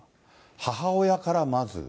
母親からまず。